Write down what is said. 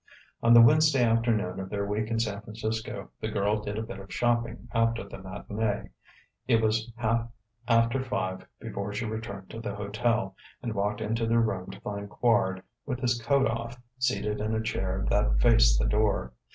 On the Wednesday afternoon of their week in San Francisco, the girl did a bit of shopping after the matinée; it was half after five before she returned to the hotel, and walked into their room to find Quard, with his coat off, seated in a chair that faced the door.